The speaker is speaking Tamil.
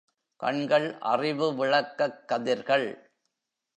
கண்கள் அறிவு விளக்கக் கதிர்கள்.